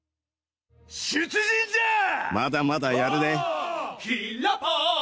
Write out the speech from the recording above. まだまだやるで。